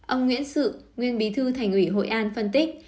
ông nguyễn sự nguyên bí thư thành ủy hội an phân tích